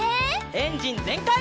エンジンぜんかい！